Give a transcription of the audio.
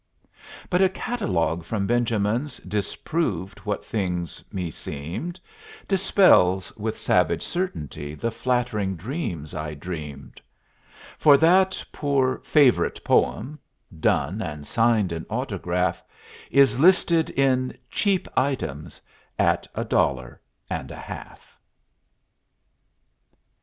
But a catalogue from Benjamin's Disproves what things meseemed Dispels with savage certainty The flattering dreams I dreamed; For that poor "favorite poem," Done and signed in autograph, Is listed in "Cheap Items" At a dollar and a half.